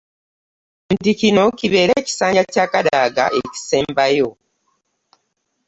Nti kino kibeere ekisanja kya Kadaga ekisembayo.